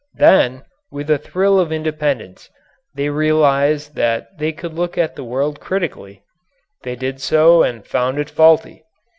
Then, with a thrill of independence, they realized that they could look at the world critically. They did so and found it faulty.